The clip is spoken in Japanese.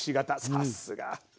さっすが。